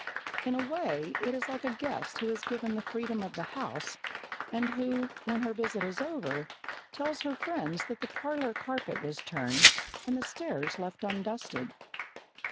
In a way it is like a guest who is given the freedom of the house, and who, when her visit is over, tells her friends that the parlour carpet was turned, and the stairs left undusted.